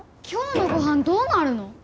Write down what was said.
今日のご飯どうなるの？